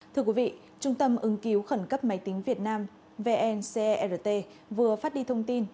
thưa quý vị trung tâm ứng cứu khẩn cấp máy tính việt nam vncrt vừa phát đi thông tin